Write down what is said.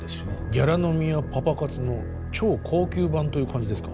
ギャラ飲みやパパ活の超高級版という感じですか